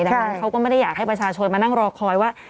ดังนั้นเขาก็ไม่ได้อยากให้ประชาชนมานั่งรอคอยว่า